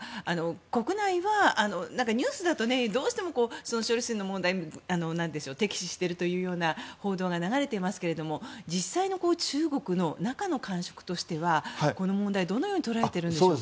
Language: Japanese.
国内は、ニュースだとどうしても処理水の問題を敵視しているというような報道が流れていますが実際の中国の中の感触としてはこの問題どう捉えているんでしょうか。